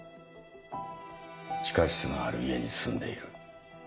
地下室のある家に住んでいる。